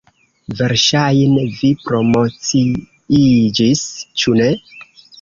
Verŝajne, vi promociiĝis, ĉu ne?